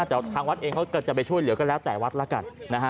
แต่ทางวัดเองเขาก็จะไปช่วยเหลือก็แล้วแต่วัดละกันนะฮะ